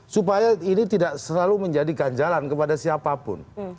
supaya ini tidak selalu menjadi ganjalan kepada siapapun